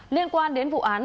liên quan đến vụ án